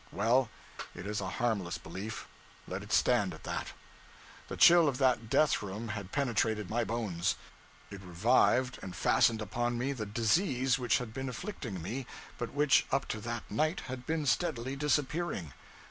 Well, it is a harmless belief. Let it stand at that. The chill of that death room had penetrated my bones. It revived and fastened upon me the disease which had been afflicting me, but which, up to that night, had been steadily disappearing.